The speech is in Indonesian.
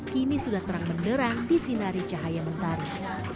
kini sudah terang benderang disinari cahaya mentari